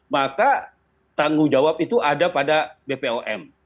maka tanggung jawab itu ada pada bpom